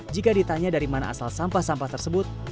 jika ditanya dari mana asal sampah sampah tersebut